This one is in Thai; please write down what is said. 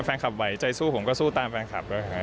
แฟนคลับไหวใจสู้ผมก็สู้ตามแฟนคลับด้วย